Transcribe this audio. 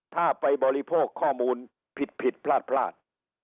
ถ้าไปบริโภคข้อมูลผิดพลาด